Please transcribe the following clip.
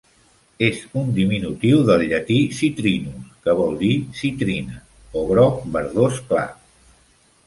És un diminutiu del llatí "citrinus", que vol dir "citrina" o "groc verdós clar".